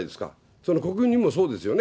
その国民にもそうですよね。